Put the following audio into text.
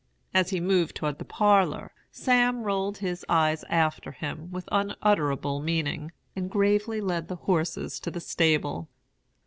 As he moved toward the parlor, Sam rolled his eyes after him with unutterable meaning, and gravely led the horses to the stable.